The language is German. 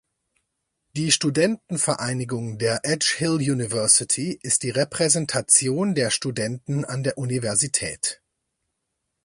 Die Studentenvereinigung der Edge Hill University ist die Repräsentation der Studenten an der Universität.